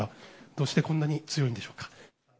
どうしてこんなに強いんでしょうか。